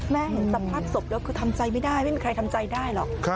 เห็นสภาพศพแล้วคือทำใจไม่ได้ไม่มีใครทำใจได้หรอก